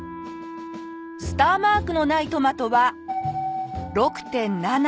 スターマークのないトマトは。